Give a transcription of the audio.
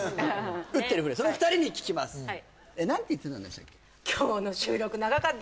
えっ何て言ってたんでしたっけ？